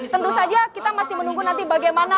tentu saja kita masih menunggu nanti bagaimana